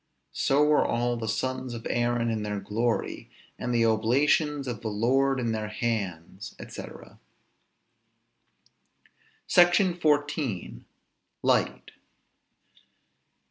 So were all the sons of Aaron in their glory, and the oblations of the Lord in their hands, &c._ SECTION XIV. LIGHT.